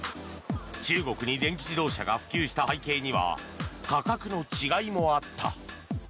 中国に電気自動車が普及した背景には価格の違いもあった。